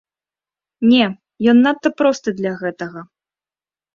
Не, ён надта просты для гэтага.